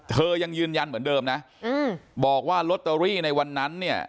ยังยืนยันเหมือนเดิมนะบอกว่าลอตเตอรี่ในวันนั้นเนี่ย